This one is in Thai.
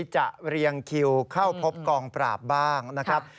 จะเรียงคิวเข้าพบกองปราบบ้างนะครับ